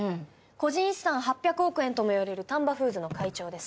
個人資産８００億円とも言われる丹波フーズの会長です。